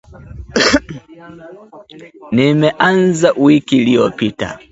Nimeanza wiki iliyopita